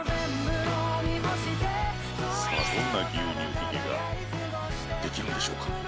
さあどんなぎゅうにゅうヒゲができるんでしょうか。